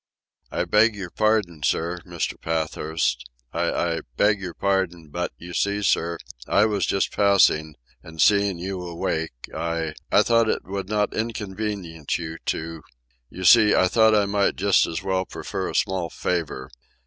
"I beg your pardon, sir, Mr. Pathurst ... I—I beg your pardon; but, you see, sir, I was just passing, and seeing you awake I ... I thought it would not inconvenience you to ... you see, I thought I might just as well prefer a small favour